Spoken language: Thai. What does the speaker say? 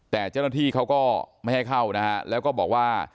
แต่เจ้าหน้าที่เขาก็ไม่ให้เข้านะฮะแล้วก็บอกว่า